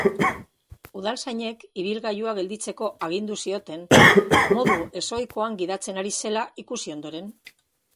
Udaltzainek ibilgailua gelditzeko agindu zioten modu ezohikoan gidatzen ari zela ikusi ondoren.